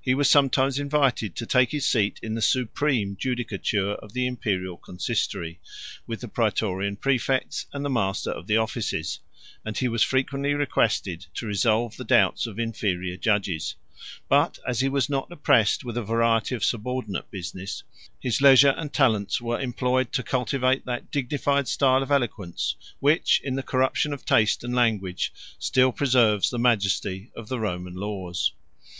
He was sometimes invited to take his seat in the supreme judicature of the Imperial consistory, with the Prætorian præfects, and the master of the offices; and he was frequently requested to resolve the doubts of inferior judges: but as he was not oppressed with a variety of subordinate business, his leisure and talents were employed to cultivate that dignified style of eloquence, which, in the corruption of taste and language, still preserves the majesty of the Roman laws.